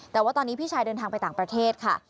แต่ว่าตอนนี้พี่ชายเดินทางไปต่างประเทศค่ะ